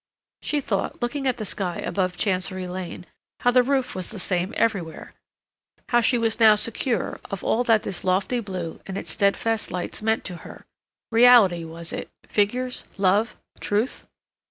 She thought, looking at the sky above Chancery Lane, how the roof was the same everywhere; how she was now secure of all that this lofty blue and its steadfast lights meant to her; reality, was it, figures, love, truth?